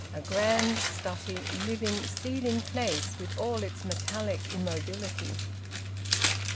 A grand, stuffy, living, seething place, with all its metallic immobility!